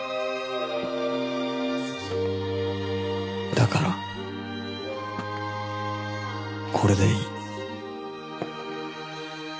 だからこれでいい